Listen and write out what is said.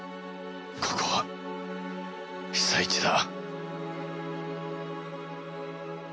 ここは被災地だ」。